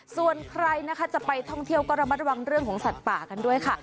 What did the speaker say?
ส่วนใครนะคะจะไปท่องเที่ยวก็ระมัดระวังเรื่องของสัตว์ป่ากันด้วยค่ะ